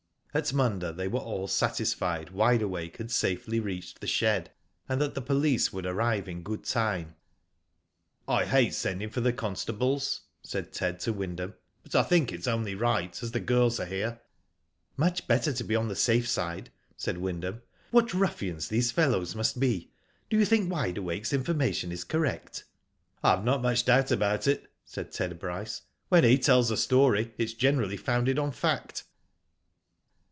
At Munda they were all satisfied Wide Awake had safely reached the shed, and that the police would arrive in good time. *'I hate sending for the constables," said Ted to Wyndham, "but I think it is only right, as the girls are* here." *' Much better to be on the safe side " said Wyndham. What ruffians these fellows must be. Do you think Wide Awakens information is correct." " I have not much doubt about it," said Ted Bryce. When he tells a story, it is generally founded on fact."